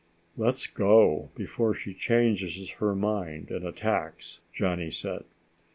"Let's go before she changes her mind and attacks," Johnny said.